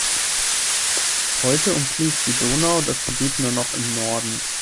Heute umfließt die Donau das Gebiet nur noch im Norden.